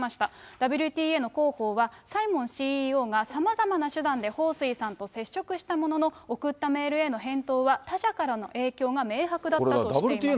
ＷＴＡの広報は、サイモンＣＥＯがさまざまな手段で彭帥さんと接触したものの送ったメールへの返答は他者からの影響が明白だったとしています。